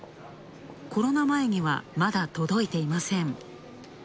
コロナ前にはまだ届いていません。